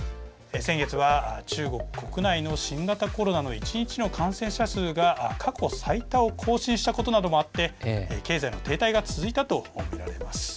先月は、中国国内の新型コロナの１日の感染者数が過去最多を更新したことなどもあって経済の停滞が続いたと見られます。